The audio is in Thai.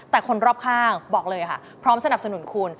แต่คนรอบข้างบอกเลยค่ะพร้อมสนับสนุนคุณ